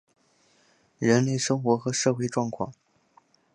人类生活和社会状况